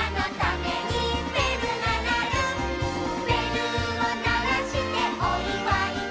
「べるをならしておいわいだ」